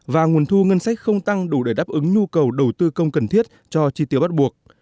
và nguồn thu ngân sách không tăng đủ để đáp ứng nhu cầu đầu tư công cần thiết cho chi tiêu bắt buộc